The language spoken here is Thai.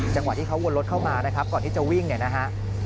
จังหวะที่เขาวนรถเข้ามานะครับก่อนที่จะวิ่งเนี่ยนะฮะ